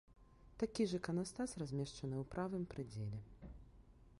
Такі ж іканастас размешчаны ў правым прыдзеле.